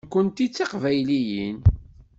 Nekknti d tiqbayliyin.